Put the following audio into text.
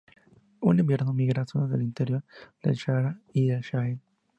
En invierno migra a zonas del interior del Sáhara y el Sahel.